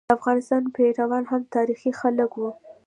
د افغانستان پيروان هم تاریخي خلک وو.